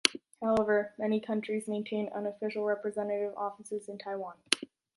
However, many countries maintain unofficial representative offices in Taiwan.